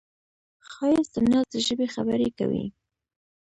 ښایست د ناز د ژبې خبرې کوي